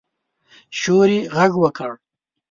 سیوري غږ وکړ.